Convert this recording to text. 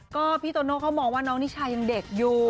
ก็พี่โตโน่เขามองว่าน้องนิชายังเด็กอยู่